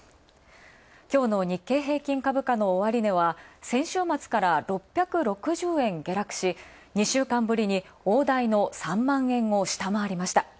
今日の日経平均株価の終値は先週末から６６０円下落し、２週間ぶりに大台の３万円を下回りました。